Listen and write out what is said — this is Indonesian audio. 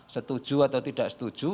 setuju atau tidak setuju